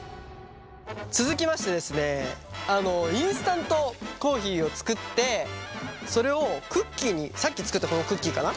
続きましてですねインスタントコーヒーを作ってそれをクッキーにさっき作ったこのクッキーかな？